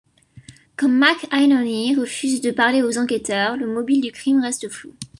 Comme McInerney refusa de parler aux enquêteurs, le mobile du crime reste flou.